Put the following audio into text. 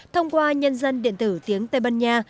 thông qua nhân dân điện tử tiếng tây ban nha